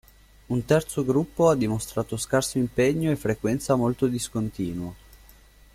Un terzo gruppo ha dimostrato scarso impegno e frequenza molto discontinua.